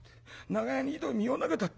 長屋の井戸に身を投げたって。